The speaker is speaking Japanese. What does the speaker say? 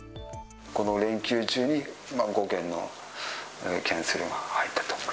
この連休中に、５件のキャンセルが入ったと。